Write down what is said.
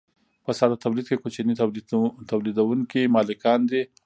په ساده تولید کې کوچني تولیدونکي مالکان دي.